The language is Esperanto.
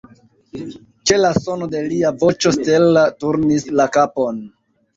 Ĉe la sono de lia voĉo Stella turnis la kapon.